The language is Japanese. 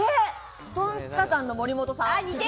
トンツカタンの森本さん。